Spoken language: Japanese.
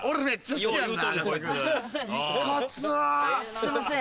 すいません